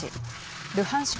ルハンシク